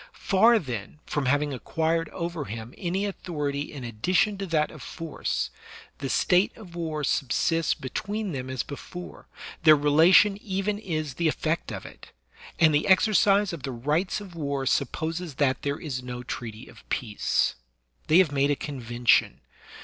Far, then, from having acquired over him any authority in addition to that of force, the state of war subsists between them as before, their relation even is the effect of it; and the exercise of the rights of war supposes that there is no treaty of peace. They have made a convention.